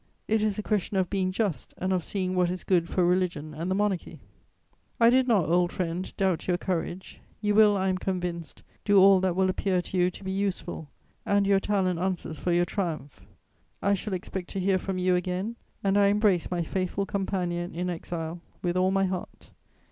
It is a question of being just and of seeing what is good for religion and the monarchy. "I did not, old friend, doubt your courage; you will, I am convinced, do all that will appear to you to be useful, and your talent answers for your triumph. I shall expect to hear from you again, and I embrace my faithful companion in exile with all my heart.